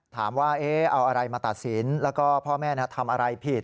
ถามว่าเอาอะไรมาตัดสินแล้วก็พ่อแม่ทำอะไรผิด